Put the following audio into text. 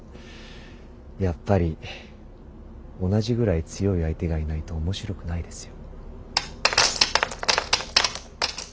やっぱり同じぐらい強い相手がいないと面白くないですよ。